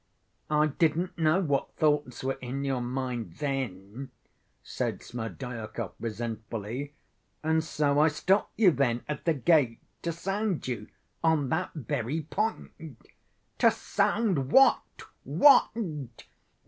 "I didn't know what thoughts were in your mind then," said Smerdyakov resentfully; "and so I stopped you then at the gate to sound you on that very point." "To sound what, what?"